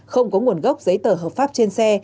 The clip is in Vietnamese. không có nguồn gốc giấy tờ hợp pháp trên xe